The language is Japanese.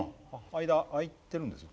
間空いてるんですか？